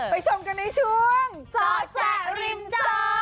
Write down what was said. ไปชมกันในช่วงจ๊อจ๊ะริมจอ